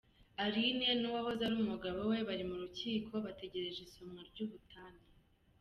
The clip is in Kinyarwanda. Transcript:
Aline n’uwahoze ari umugabo we bari mu rukiko bategereje isomwa ry’ubutane.